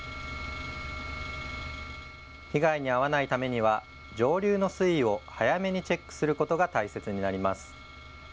被害に遭わないためには上流の水位を早めにチェックすることが大切になります。